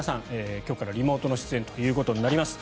今日からリモートの出演ということになります。